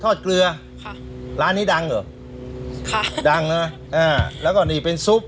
เกลือค่ะร้านนี้ดังเหรอค่ะดังนะอ่าแล้วก็นี่เป็นซุป